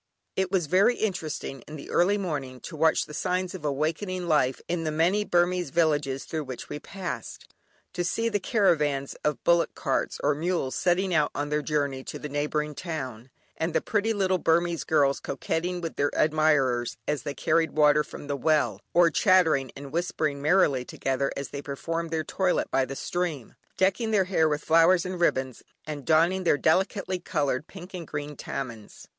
It was very interesting in the early morning to watch the signs of awakening life in the many Burmese villages through which we passed. To see the caravans of bullock carts or mules setting out on their journey to the neighbouring town, and the pretty little Burmese girls coquetting with their admirers as they carried water from the well, or chattering and whispering merrily together as they performed their toilet by the stream, decking their hair with flowers and ribbons, and donning their delicately coloured pink and green "tamehns."